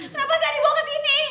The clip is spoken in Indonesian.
kenapa saya dibawa kesini